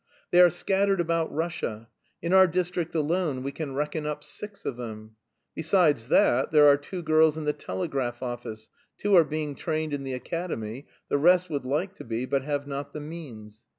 They are scattered about Russia; in our district alone we can reckon up six of them. Besides that, there are two girls in the telegraph office, two are being trained in the academy, the rest would like to be but have not the means.